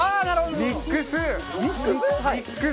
ミックス？